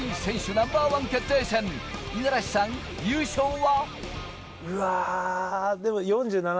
Ｎｏ．１決定戦、五十嵐さん、優勝は？